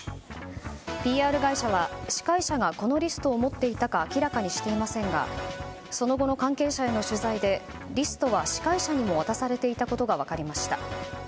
ＰＲ会社は司会者がこのリストを持っていたか明らかにしていませんがその後の関係者への取材でリストは司会者にも渡されていたことが分かりました。